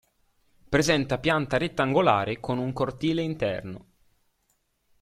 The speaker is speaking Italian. Presenta pianta rettangolare con un cortile interno.